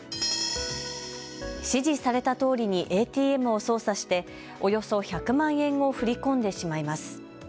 指示されたとおりにＡＴＭを操作しておよそ１００万円を振り込んでしまいます。